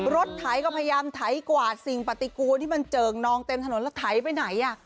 ไถก็พยายามไถกวาดสิ่งปฏิกูลที่มันเจิ่งนองเต็มถนนแล้วไถไปไหน